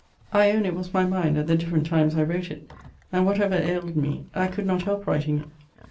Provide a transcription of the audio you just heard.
I own it was my mind at the different times I wrote it; and, whatever ailed me, I could not help writing it.